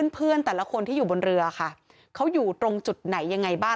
เพื่อนแต่ละคนที่อยู่บนเรือค่ะเขาอยู่ตรงจุดไหนยังไงบ้าง